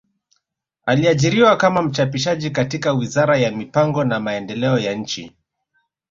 Aliajiriwa kama mchapishaji katika wizara ya mipango na maendeleo ya nchi